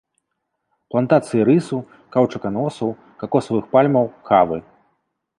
Плантацыі рысу, каўчуканосаў, какосавых пальмаў, кавы.